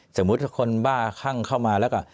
สมมุติคนบ้าคั่งเข้ามาแล้วก็